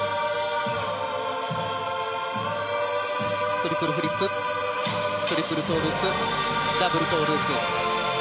トリプルフリップトリプルトウループダブルトウループ。